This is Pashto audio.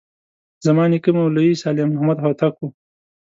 زما نیکه مولوي صالح محمد هوتک و.